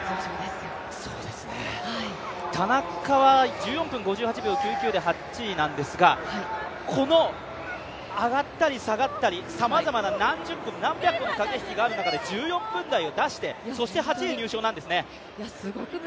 田中は１４分５８秒１９で８位なんですが８位なんですが、この上がったり下がったりさまざまな何十回の駆け引きがある中で１４分台を出して８位入賞なんですね